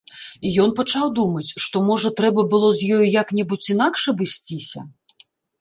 І ён пачаў думаць, што, можа, трэба было з ёю як-небудзь інакш абысціся?